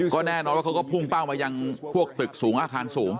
ก็แน่นอนว่าเขาก็พุ่งเป้ามายังพวกตึกสูงอาคารสูง